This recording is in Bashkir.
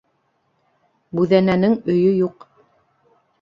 Бүҙәнәнең өйө юҡ